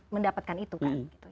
mendapatkan itu kan